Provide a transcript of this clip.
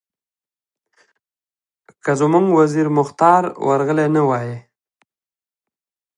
که زموږ وزیر مختار ورغلی نه وای.